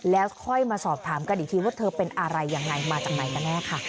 แล้วค่อยมาสอบถามกันอีกทีว่าเธอเป็นอะไรยังไงมาจากไหนกันแน่ค่ะ